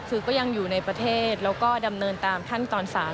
คือก็ยังอยู่ในประเทศแล้วก็ดำเนินตามขั้นตอนสาร